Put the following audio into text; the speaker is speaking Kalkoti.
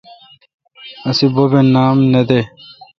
اسی بب اے نام نہ دے۔